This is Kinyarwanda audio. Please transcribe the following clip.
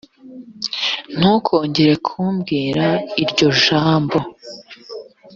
ntukongere kumbwira iryo jambo